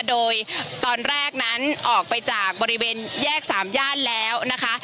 โดยตอนแรกนั้นออกไปจากบริเวณแยกสามย่านแล้วนะคะ